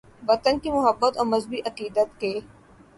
، وطن کی محبت اور مذہبی عقیدت کے